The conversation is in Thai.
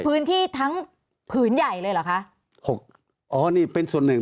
พื้นที่ทั้งผืนใหญ่เลยเหรอคะหกอ๋อนี่เป็นส่วนหนึ่ง